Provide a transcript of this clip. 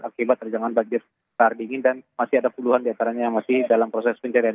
akibat terjangan banjir lahar dingin dan masih ada puluhan diantaranya yang masih dalam proses pencarian